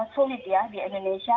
sulit ya di indonesia